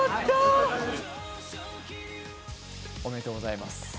おめでとうございます。